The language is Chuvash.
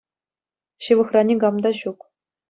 Ҫывӑхра никам та ҫук.